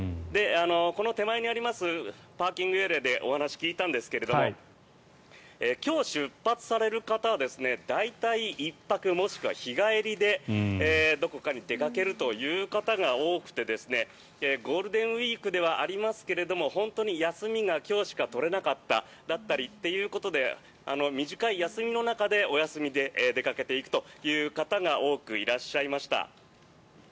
この手前にありますパーキングエリアでお話を聞いたんですが今日、出発される方は大体１泊もしくは日帰りでどこかに出かけるという方が多くてゴールデンウィークではありますが本当に休みが今日しか取れなかっただったりということで短い休みの中で、お休みで出かけていくという方が多くいらっしゃいました。